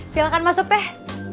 silahkan masuk deh